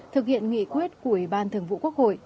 thực hiện nghị quyết của ủy ban thường vụ quốc hội